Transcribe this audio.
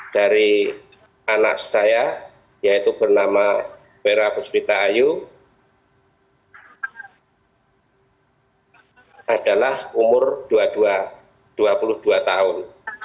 dari anak saya yaitu bernama vera puspita ayu adalah umur dua puluh dua tahun